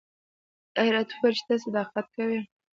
دا یې راته وویل چې ته صداقت کوې.